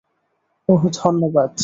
ওহ, ধন্যবাদ।